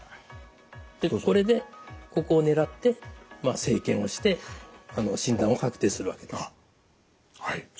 これでここを狙って生検をして診断を確定するわけです。